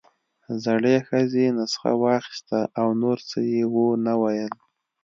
زړې ښځې نسخه واخيسته او نور څه يې ونه ويل.